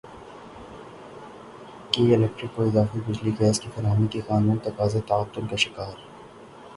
کے الیکٹرک کو اضافی بجلی گیس کی فراہمی کے قانونی تقاضے تعطل کا شکار